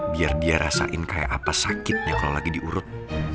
biar dia rasain kayak apa sakitnya kalau lagi diurut